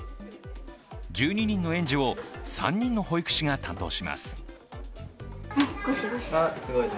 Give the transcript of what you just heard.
１２人の園児を３人の保育士が担当します。